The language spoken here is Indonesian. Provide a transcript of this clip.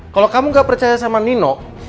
kalau kamu gak percaya sama nino